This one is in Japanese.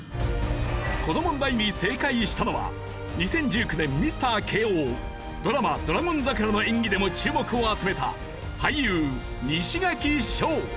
この問題に正解したのは２０１９年ミスター慶応ドラマ『ドラゴン桜』の演技でも注目を集めた俳優西垣匠。